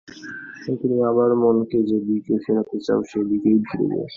এখন তুমি আমার মনকে যে দিকে ফেরাতে চাও সেই দিকেই ফিরবে।